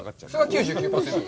９９％。